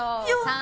３。